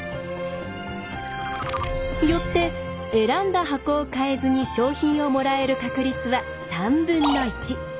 よって選んだ箱を変えずに賞品をもらえる確率は３分の１。